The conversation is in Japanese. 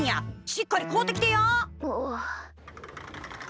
しっかり買うてきてや。